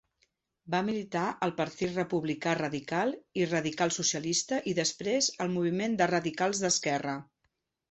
Va militar al Partit Republicà Radical i Radical-Socialista i després al Moviment de Radicals d'Esquerra.